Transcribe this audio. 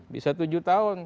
bisa tujuh tahun